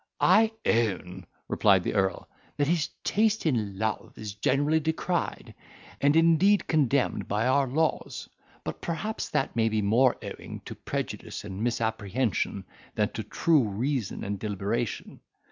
"I own," replied the earl, "that his taste in love is generally decried, and indeed condemned by our laws; but perhaps that may be more owing to prejudice and misapprehension than to true reason and deliberation.